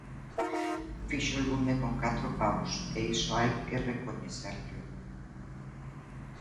Fixo lume con catro paus e iso hai que recoñecerllo.